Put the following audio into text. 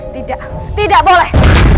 tidak tidak boleh